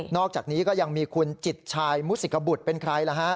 อกจากนี้ก็ยังมีคุณจิตชายมุสิกบุตรเป็นใครล่ะฮะ